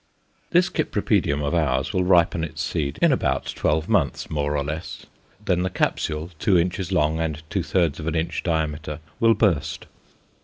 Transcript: This Cypripedium of ours will ripen its seed in about twelve months, more or less. Then the capsule, two inches long and two thirds of an inch diameter, will burst.